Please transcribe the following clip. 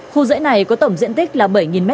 khu dãy này có tổng diện tích là bảy m hai